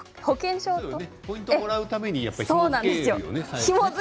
ポイントをもらうためにひも付けるんだよね。